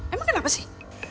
emang kenapa sih